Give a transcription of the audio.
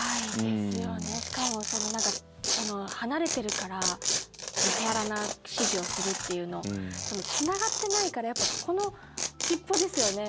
しかも、離れてるから手荒な指示をするっていうのつながってないからやっぱり、この尻尾ですよね。